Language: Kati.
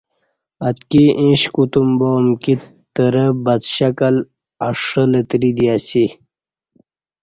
اتکی ایݩش کوتم با امکی ترہ بد شکل، اݜہ لتری دی اسی۔